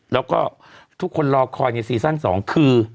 แล้วก็ทุกคนรอคอยในซีซั่น๒คือ